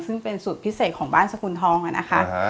ซึ่งเป็นสูตรพิเศษของบ้านสกุลทองอะนะคะ